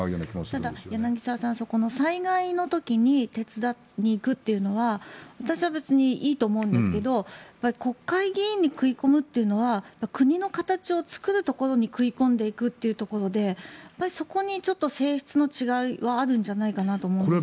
ただ、柳澤さんそこの災害の時に手伝いに行くというのは私は別にいいと思うんですけど国会議員に食い込むというのは国の形を作るところに食い込んでいくというところでそこに性質の違いはあるんじゃないかなと思うんです。